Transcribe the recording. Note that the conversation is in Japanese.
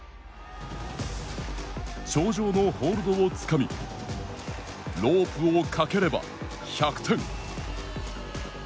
頂上のホールドをつかみロープをかければ１００点。